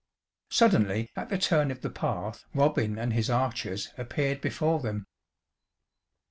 Suddenly at the turn of the path Robin and his archers appeared before them.